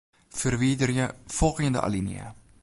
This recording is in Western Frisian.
Ferwiderje folgjende alinea.